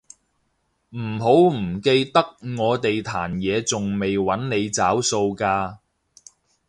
唔好唔記得我哋壇野仲未搵你找數㗎